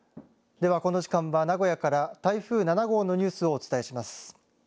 ではこの時間は名古屋から台風７号のニュースをお伝えします。